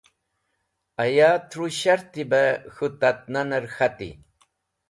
Aya tru sharti be k̃hũ tatnaner k̃hati.